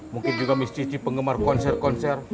mungkin juga miss cici penggemar konser konser